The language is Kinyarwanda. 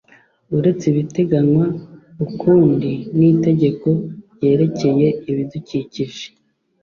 uretse ibiteganywa ukundi n itegeko ryerekeye ibidukikije